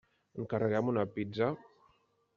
Encarreguem una pizza?